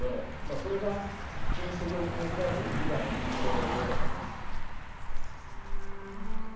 それがキリスト教に限らずユダの印象であります。